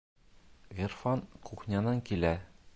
Ғирфан кухнянан килә.